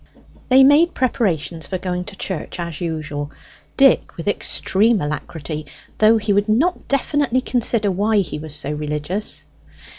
They made preparations for going to church as usual; Dick with extreme alacrity, though he would not definitely consider why he was so religious.